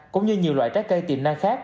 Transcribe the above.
cũng như nhiều loại trái cây tiềm năng khác